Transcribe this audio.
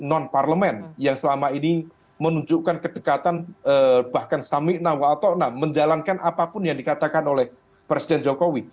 non parlemen yang selama ini menunjukkan kedekatan bahkan samikna waltona menjalankan apapun yang dikatakan oleh presiden jokowi